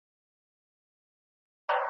ايا عرضه او تقاضا په خپلو کې مساوي دي؟